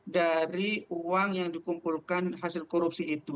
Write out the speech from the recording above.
dari uang yang dikumpulkan hasil korupsi itu